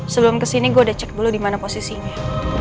sebelum kesini gue udah cek dulu di mana posisinya